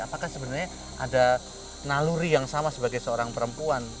apakah sebenarnya ada naluri yang sama sebagai seorang perempuan